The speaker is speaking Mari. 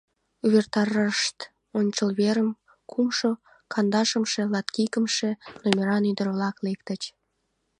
Увертарышт: ончыл верыш кумшо, кандашымше, латикымше номеран ӱдыр-влак лектыч.